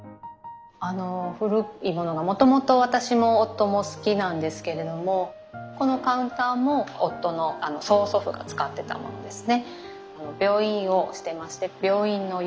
あの古いものがもともと私も夫も好きなんですけれどもこのカウンターも夫の曽祖父が使ってたものですね。